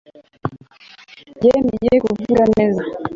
Yemeye kuvuga neza